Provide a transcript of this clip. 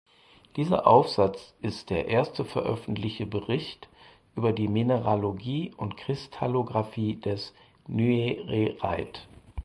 Dieser Aufsatz ist der erste veröffentlichte Bericht über die Mineralogie und Kristallographie des Nyerereit.